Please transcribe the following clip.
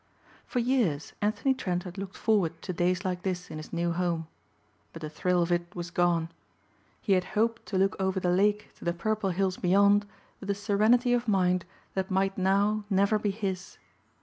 For years Anthony Trent had looked forward to days like this in his new home. But the thrill of it was gone. He had hoped to look over the lake to the purple hills beyond with a serenity of mind that might now never be his.